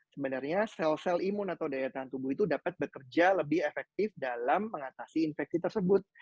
sebenarnya sel sel imun atau daya tahan tubuh itu dapat bekerja lebih efektif dalam mengatasi infeksi tersebut